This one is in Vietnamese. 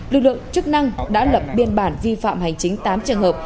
lực lượng chức năng đã lập biên bản vi phạm hành chính tám trường hợp